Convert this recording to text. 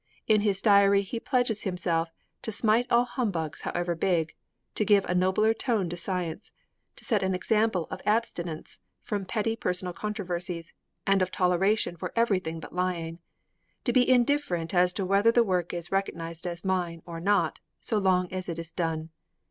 In his diary he pledges himself 'to smite all humbugs, however big; to give a nobler tone to science; to set an example of abstinence from petty personal controversies and of toleration for everything but lying; to be indifferent as to whether the work is recognized as mine or not, so long as it is done.